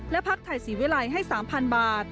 และพักไทยศรีเวลาให้๓๐๐๐บาท